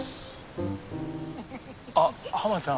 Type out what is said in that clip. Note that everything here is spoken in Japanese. あっハマちゃん。